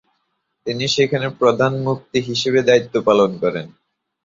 তিনি সেখানে প্রধান মুফতি হিসেবে দায়িত্ব পালন করেন।